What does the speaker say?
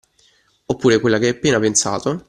Oppure quella che hai appena pensato.